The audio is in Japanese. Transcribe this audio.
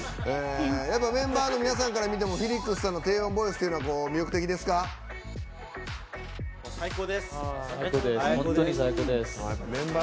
メンバーの皆さんから見てもフィリックスさんの低音ボイスというのは最高です。